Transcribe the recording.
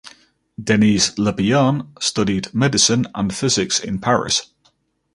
Denis Le Bihan studied medicine and physics in Paris.